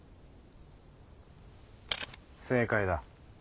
正解だ。